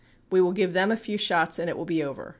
We will give them a few shots and it will be over.